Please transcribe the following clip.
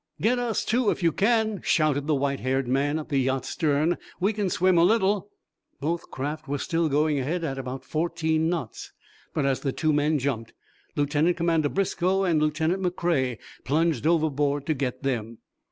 "Get us, too, if you can," shouted the white haired man at the yacht's stern. "We can swim a little." Both craft were still going ahead at about fourteen knots, but, as the two men jumped Lieutenant Commander Briscoe and Lieutenant McCrea plunged overboard to get them.